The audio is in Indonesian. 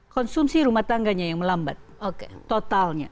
konsumsi rumah tangganya yang melambat totalnya